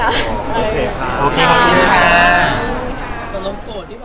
ถ้าเอามาอยู่ในรูปเดียวกันอาจจะโดยวิจรรย์ก็เลยไม่สิกระ